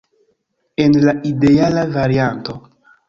En la ideala varianto.